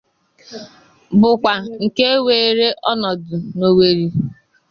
bụkwa nke weere ọnọdụ n'Owerri